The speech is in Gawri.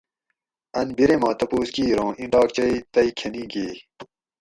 اۤن بیرے ما تپوس کِیر اُوں ایں ڈاکچئ تئ کھنی گھیئ